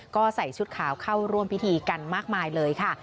ก็ใส่ชุดขาวเข้าร่วมพิธีกันมากมายเลยค่ะ